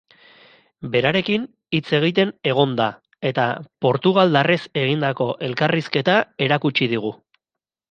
Berarekin hitz egiten egon da eta portugaldarrez egindako elkarrizketa erakutsi digu.